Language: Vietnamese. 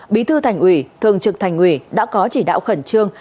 bí thư thành ủy thường trực thành ủy đã có chỉ đạo khẩn trương